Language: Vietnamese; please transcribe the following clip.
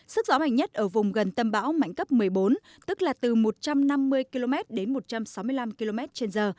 sức gió mạnh nhất ở vùng gần tâm bão mạnh cấp một mươi bốn tức là từ một trăm năm mươi km đến một trăm sáu mươi năm km trên giờ